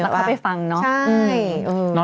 แล้วเขาไปฟังเนาะ